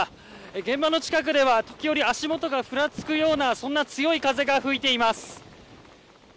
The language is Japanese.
現場の近くでは時折、足元がふらつくようなそんな強い風が吹いています。